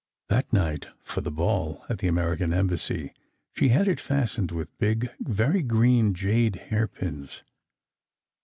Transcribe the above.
That night for the ball at the American Embassy she had it fastened with big, very green jade hairpins.